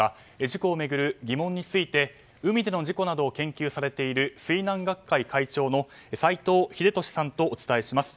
事故を巡る疑問について海での事故を研究されている水難学会会長の斎藤秀俊さんとお伝えします。